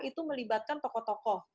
itu melibatkan tokoh tokoh